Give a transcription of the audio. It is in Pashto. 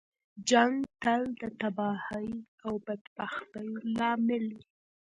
جنګ تل د تباهۍ او بدبختۍ لامل وي.